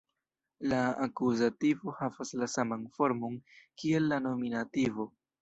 La akuzativo havas la saman formon kiel la nominativo.